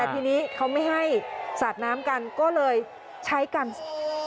แต่ทีนี้เขาไม่ให้ศาสน้ำกันก็เลยใช้การปรดอกไม้แทน